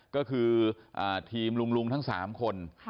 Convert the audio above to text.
ก็คือทีมลุงทั้ง๓คน